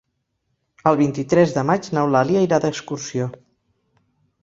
El vint-i-tres de maig n'Eulàlia irà d'excursió.